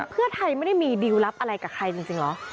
เพื่อไทยไม่ได้มีดีลลับอะไรกับใครจริงเหรอ